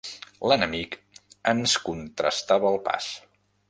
L'enemic ens contrastava el pas.